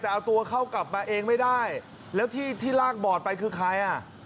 แต่เอาตัวเข้ากลับมาเองไม่ได้แล้วที่ที่ลากบอดไปคือใครอ่ะ